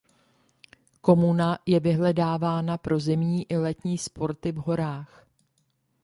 Komuna je vyhledávána pro zimní i letní sporty v horách.